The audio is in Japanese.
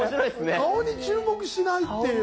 顔に注目しないっていう。